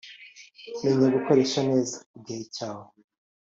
Menya gukoresha neza igihe cyawe